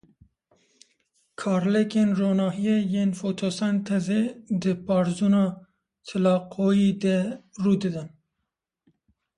Karlêkên ronahiyê yên fotosentezê di parzûna tîlakoîdê de rû didin.